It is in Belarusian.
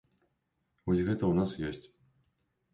Вось гэта ў нас ёсць.